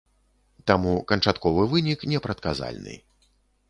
Таму канчатковы вынік непрадказальны.